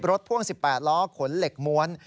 พ่วง๑๘ล้อขนเหล็กม้วน